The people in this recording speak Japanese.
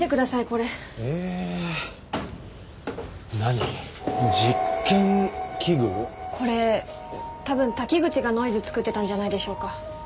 これ多分滝口がノイズ作ってたんじゃないでしょうか？